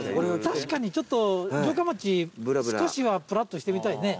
確かにちょっと城下町少しはぷらっとしてみたいね。